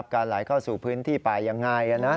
การไหลเข้าสู่พื้นที่ไปอย่างง่าย